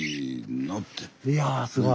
いやすごい。